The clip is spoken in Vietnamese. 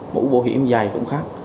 mũ bộ hiểm dày cũng khác